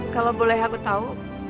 kalau boleh aku tahu